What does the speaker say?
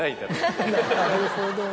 なるほど。